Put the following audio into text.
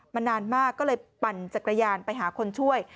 นานมากก็เลยปั่นจักรยานไปหาคนช่วย